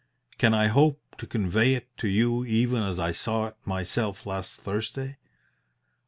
Can I hope to convey it to you even as I saw it myself last Thursday?